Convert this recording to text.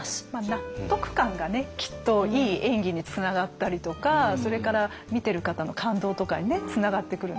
納得感がねきっといい演技につながったりとかそれから見てる方の感動とかにつながってくるんですよね。